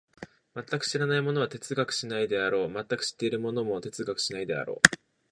全く知らない者は哲学しないであろう、全く知っている者も哲学しないであろう。